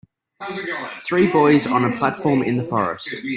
Three boys on a platform in the forest.